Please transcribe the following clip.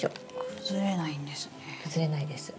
崩れないんですね。